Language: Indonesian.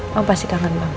paham pasti kangen banget